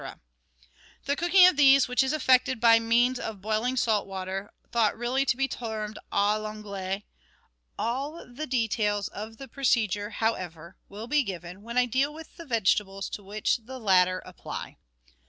The cooking of these, which is effected by means of boiling salted water, ought really to be termed " a I'anglaise." All the details of the procedure, however, will be given when I deal with the vegetables to which the latter apply.